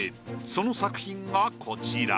その作品がこちら。